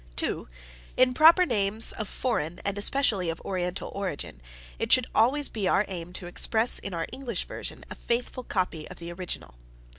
2. In proper names of foreign, and especially of Oriental origin, it should be always our aim to express, in our English version, a faithful copy of the original.